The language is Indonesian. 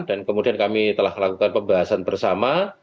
dan kemudian kami telah lakukan pembahasan bersama